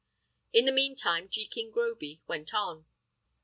In the mean time, Jekin Groby went on.